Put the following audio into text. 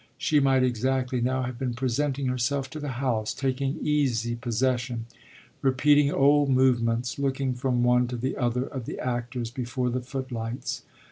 She might exactly now have been presenting herself to the house, taking easy possession, repeating old movements, looking from one to the other of the actors before the footlights.